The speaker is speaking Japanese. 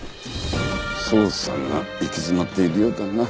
捜査が行き詰まっているようだな